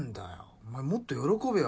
お前もっと喜べよ。